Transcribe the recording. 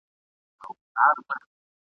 له خپل تربوره مو د سلو کالو غچ اخیستی ..